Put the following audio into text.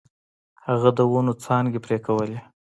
هغه د ونو څانګې پرې کولې.